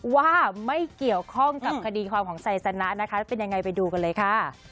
ว่าไม่เกี่ยวข้องกับคดีความของไซสนะนะคะเป็นยังไงไปดูกันเลยค่ะ